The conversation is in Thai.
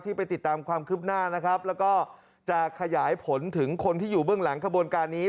ไปติดตามความคืบหน้านะครับแล้วก็จะขยายผลถึงคนที่อยู่เบื้องหลังขบวนการนี้